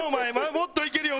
もっといけるよね？